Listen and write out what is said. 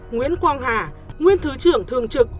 nguyễn quang hà nguyên thứ trưởng thường trực